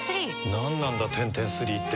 何なんだテンテンスリーって